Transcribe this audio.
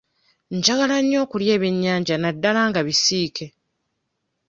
Njagala nnyo okulya ebyennyanja naddala nga bisiike.